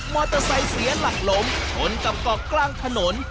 เตอร์ไซค์เสียหลักล้มชนกับเกาะกลางถนน